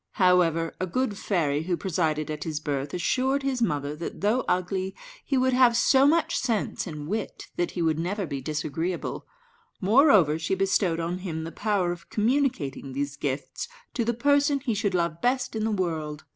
However, a good fairy, who presided at his birth, assured his mother that, though ugly, he would have so much sense and wit that he would never be disagreeable; moreover, she bestowed on him the power of communicating these gifts to the person he should love best in the world.